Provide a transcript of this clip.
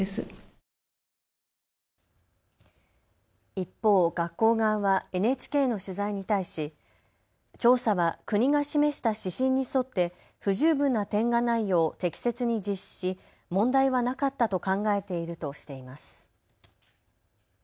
一方、学校側はＮＨＫの取材に対し調査は国が示した指針に沿って不十分な点がないよう適切に実施し問題はなかったと考えているとしています。